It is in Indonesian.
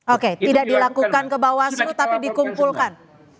oke tidak dilakukan ke bawaslu tapi dikumpulkan